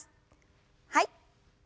はい。